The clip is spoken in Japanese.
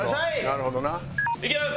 なるほどなっ。いきます！